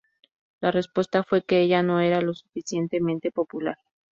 La respuesta fue que ella no era lo suficientemente popular.